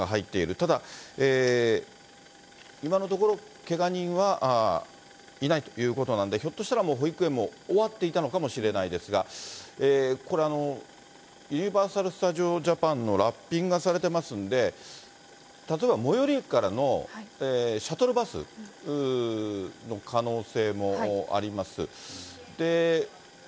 ただ、今のところ、けが人はいないということなんで、ひょっとしたら、保育園も終わっていたのかもしれないですが、これ、ユニバーサル・スタジオ・ジャパンのラッピングがされてますんで、例えば最寄駅からのシャトルバスの可能性もあります。